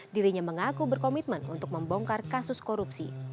dirinya mengaku berkomitmen untuk membongkar kasus korupsi